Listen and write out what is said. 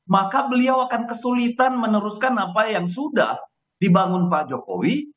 maka beliau akan kesulitan meneruskan apa yang sudah dibangun pak jokowi